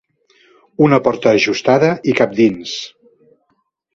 Una porta ajustada i cap dins.